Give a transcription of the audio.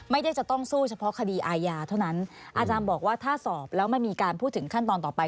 ไม่ได้จะต้องสู้เฉพาะคดีอาญาเท่านั้นอาจารย์บอกว่าถ้าสอบแล้วมันมีการพูดถึงขั้นตอนต่อไป